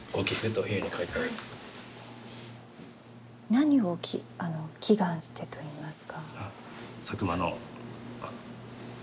何を祈願してといいますか。